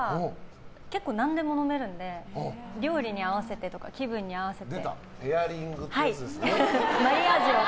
結構何でも飲めるので料理に合わせて、気分に合わせて。